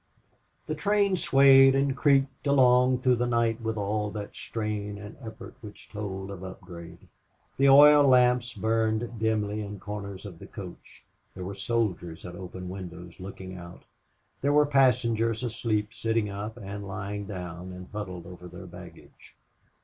The train swayed and creaked along through the Night with that strain and effort which told of upgrade. The oil lamps burned dimly in corners of the coach. There were soldiers at open windows looking out. There were passengers asleep sitting up and lying down and huddled over their baggage.